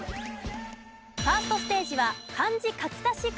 ファーストステージは漢字書き足しクイズです。